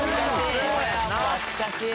懐かしい！